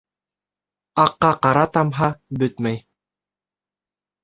Аҡҡа ҡара тамһа, бөтмәй.